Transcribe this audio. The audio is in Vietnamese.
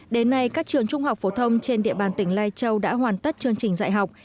đến nay các trường trung học phổ thông trên địa bàn tỉnh lai châu đã hoàn tất chương trình dạy học